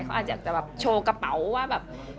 เขาอาจจะแบบโชว์กระเป๋าว่าแบบ